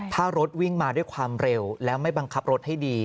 ถ้ารถวิ่งมาด้วยความเร็วแล้วไม่บังคับรถให้ดี